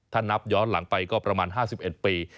ถ้านับย้อนหลังไปก็ประมาณ๕๑ปี